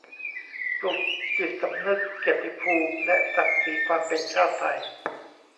ปลูกจิตสำนึกเกียรติภูมิและศักดิ์ศรีความเป็นชาติไทย